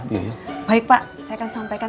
baik pak saya akan sampaikan